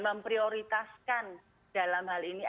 memprioritaskan dalam hal ini